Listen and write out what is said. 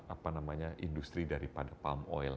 apa namanya industri daripada palm oil